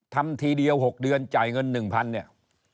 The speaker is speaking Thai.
ทำทีเดียว๖เดือนจ่ายเงิน๑๐๐เนี่ย